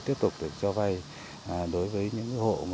tiếp tục được cho vay đối với những hộ